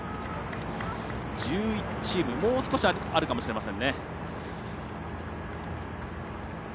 １１チームもう少しあるかもしれません。